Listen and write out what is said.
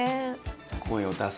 声を出す。